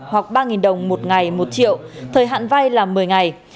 hoặc ba đồng một ngày một triệu thời hạn vay là một mươi ngày